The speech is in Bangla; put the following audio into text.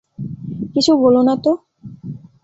কিছু বোলো না তো।